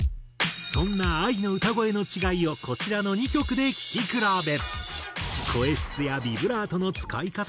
そんなＡＩの歌声の違いをこちらの２曲で聴き比べ。